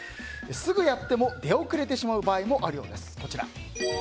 すぐやっても出遅れてしまう場合もあるようです。